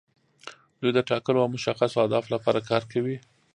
دوی د ټاکلو او مشخصو اهدافو لپاره کار کوي.